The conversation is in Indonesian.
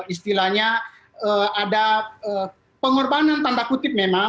istilahnya ada pengorbanan tanda kutip memang